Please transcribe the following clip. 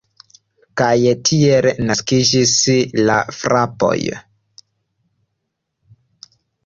Kaj tiel naskiĝis la frapoj.